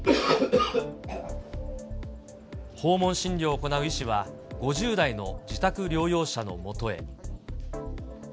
訪問診療を行う医師は、５０代の自宅療養者のもとへ。